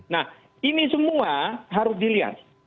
nah ini semua harus dilihat